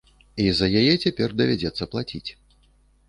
І за яе цяпер давядзецца плаціць.